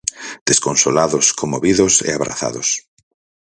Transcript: Desconsolados, conmovidos e abrazados.